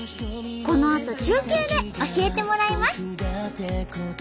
このあと中継で教えてもらいます。